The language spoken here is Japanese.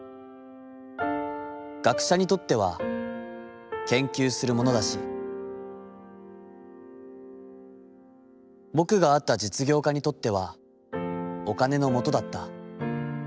学者にとっては、研究するものだし、ぼくが会った実業家にとってはお金のものとだった。